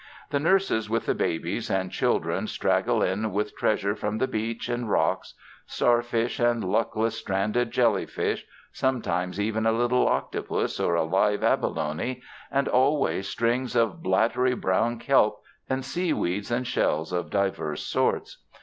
The nurses with the babies and chil dren straggle in with treasure from the beach and rocks — starfish and luckless, stranded jelly fish, sometimes even a little octopus or a live abalone, and always strings of bladdery brown kelp and seaweeds and shells of divers sorts.